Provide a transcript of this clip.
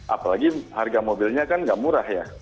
apalagi harga mobilnya kan gak murah ya